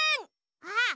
あっ！